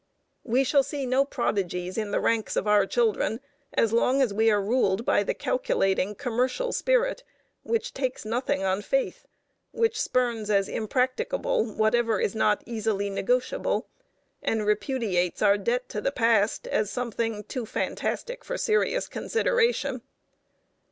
We shall see no prodigies in the ranks of our children as long as we are ruled by the calculating commercial spirit which takes nothing on faith, which spurns as impracticable whatever is not easily negotiable, and repudiates our debt to the past as something too fantastic for serious consideration.